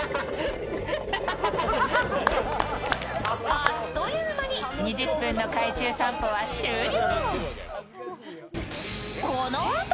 あっという間に２０分の海中散歩は終了。